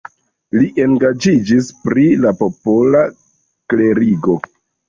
Li engaĝiĝis pri la popola klerigo.